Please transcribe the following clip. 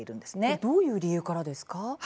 どういう理由からですか？